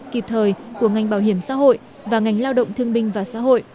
kịp thời của ngành bảo hiểm xã hội và ngành lao động thương binh và xã hội